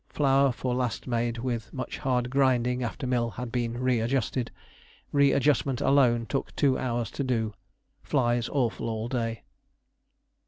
Flour for last made with much hard grinding after mill had been readjusted. Readjustment alone took two hours to do.... Flies awful all day...."